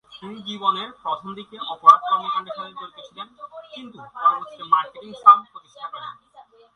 তিনি জীবনের প্রথম দিকে অপরাধ কর্মকাণ্ডের সাথে জড়িত ছিলেন কিন্তু পরবর্তীতে মার্কেটিং ফার্ম প্রতিষ্ঠা করেন।